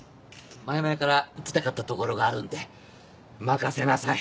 前々から行きたかった所があるんで任せなさい。